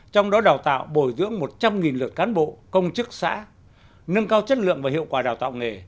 trong đó đào tạo bồi dưỡng một trăm linh lượt cán bộ công chức xã nâng cao chất lượng và hiệu quả đào tạo nghề